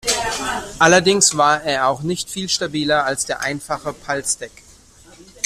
Allerdings war er auch nicht viel stabiler als der einfache Palstek.